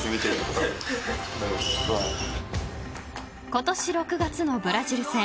［今年６月のブラジル戦］